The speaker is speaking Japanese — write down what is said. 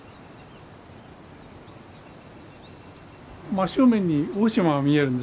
真っ正面に大島が見えるんですよ。